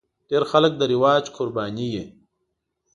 ډېر خلک د رواج قرباني وي.